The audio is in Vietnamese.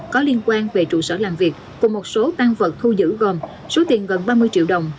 có liên quan về trụ sở làm việc cùng một số tan vật thu giữ gồm số tiền gần ba mươi triệu đồng